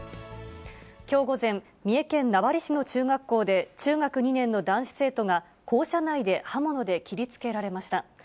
きょう午前、三重県名張市の中学校で中学２年の男子生徒が、校舎内で刃物で切りつけられました。